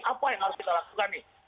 apa yang harus kita lakukan nih